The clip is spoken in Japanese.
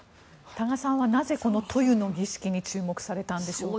多賀さんはなぜ、塗油の儀式に注目されたんでしょうか。